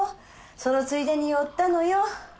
そのついでに寄ったのよ。